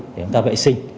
để chúng ta vệ sinh